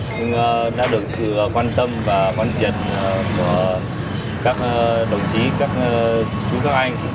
nhưng đã được sự quan tâm và quan trọng của các đồng chí các chú các anh